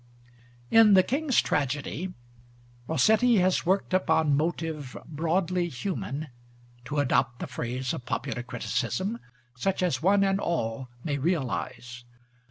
In The King's Tragedy, Rossetti has worked upon motive, broadly human (to adopt the phrase of popular criticism) such as one and all may realise.